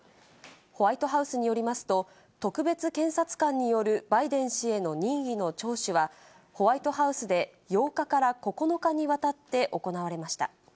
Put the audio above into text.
ホワイトハウスによりますと、特別検察官によるバイデン氏への任意の聴取は、ホワイトハウスで８日から９日にわたって行われました。